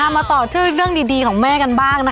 มาต่อถึงเรื่องดีของแม่กันบ้างนะคะ